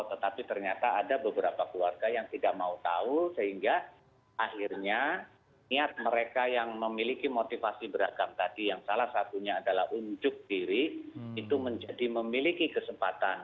tetapi ternyata ada beberapa keluarga yang tidak mau tahu sehingga akhirnya niat mereka yang memiliki motivasi beragam tadi yang salah satunya adalah unjuk diri itu menjadi memiliki kesempatan